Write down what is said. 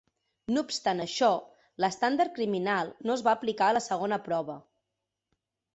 No obstant això, l'estàndard criminal no es va aplicar a la segona prova.